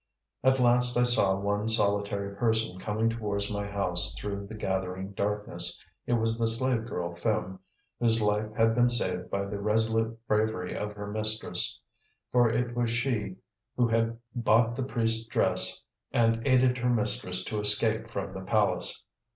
At last I saw one solitary person coming towards my house through the gathering darkness. It was the slave girl, Phim, whose life had been saved by the resolute bravery of her mistress; for it was she who had bought the priest's dress and aided her mistress to escape from the palace.